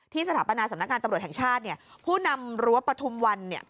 ที่สถาปนาสำนักงานตำรวจแห่งชาติผู้นำรั้วปฐมวัน